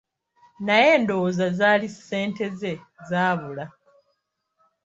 Naye ndowooza zaali ssente ze zaabula.